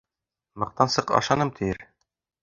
Маҡтансыҡ «ашаным» тиер